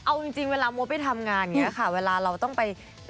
เอาจริงเวลามดไปทำงานอย่างเงี้ยค่ะ